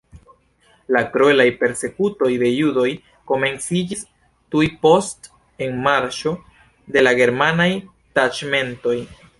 La kruelaj persekutoj de judoj komenciĝis tuj post enmarŝo de la germanaj taĉmentoj.